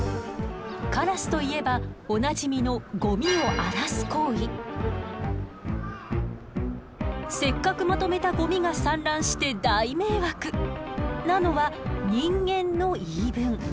カラスといえばおなじみのせっかくまとめたゴミが散乱して大迷惑！なのは人間の言い分。